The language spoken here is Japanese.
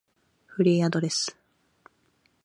フリーアドレス